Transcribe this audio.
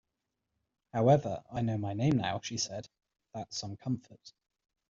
‘However, I know my name now.’ she said, ‘that’s some comfort’.